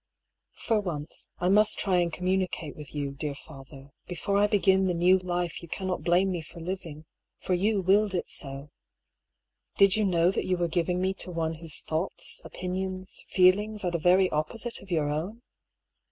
] For once, I must try and communicate with you, dear father, before I begin the new life you cannot blame me for living, for you willed it so. FOUND IN AN OLD NOTEBOOK OP LILIA PYM'S. 129 Did you know that you were giving me to one whose thoughts, opinions, feelings are the very opposite of your own?